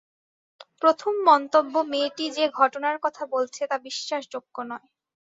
প্রথম মন্তব্য-মেয়েটি যে ঘটনার কথা বলছে, তা বিশ্বাসযোগ্য নয়।